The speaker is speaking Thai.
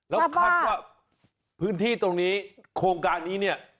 แล้วคาดว่าพื้นที่ตรงนี้โครงการนี้เนี่ย